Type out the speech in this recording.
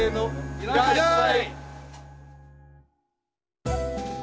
いらっしゃい。